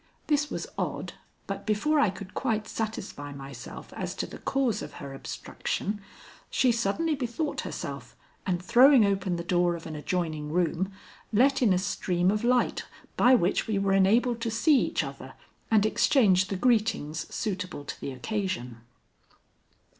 This was odd, but before I could quite satisfy myself as to the cause of her abstraction, she suddenly bethought herself, and throwing open the door of an adjoining room, let in a stream of light by which we were enabled to see each other and exchange the greetings suitable to the occasion.